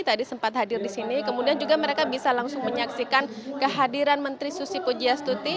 tadi sempat hadir di sini kemudian juga mereka bisa langsung menyaksikan kehadiran menteri susi pujiastuti